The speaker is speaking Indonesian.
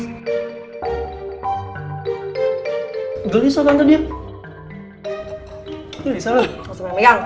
gak bisa tante dia